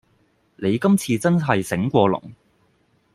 你今次真係醒過龍